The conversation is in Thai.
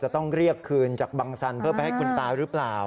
ต้องเรียกคืนจากบังสันเพื่อไปให้คุณตาหรือเปล่า